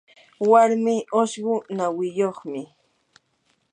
warmii ushqu nawiyuqmi.